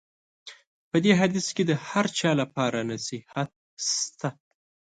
په دې حدیث کې د هر چا لپاره نصیحت شته.